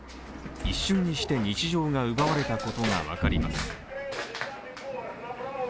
一瞬にして日常が奪われたことが分かります。